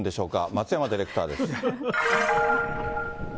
松山ディレクターです。